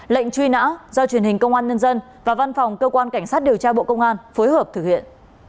lệnh truy nã do truyền hình công an nhân dân và văn phòng cơ quan cảnh sát điều tra bộ công an phối hợp thực hiện